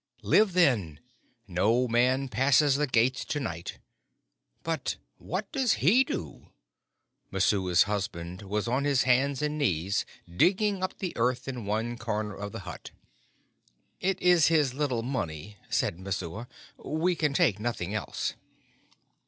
"Live, then. No man passes the gates to night. But what does he do?" Messua's husband was on his hands and knees digging up the earth in one corner of the hut. "It is his little money," said Messua. "We can take nothing else."